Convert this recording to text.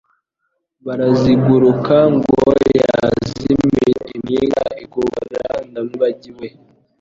Baraziguruka ngo yazimiye. Impinga igobora Ndamwibagiwe,